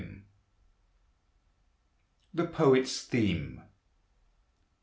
THE POET'S THEME.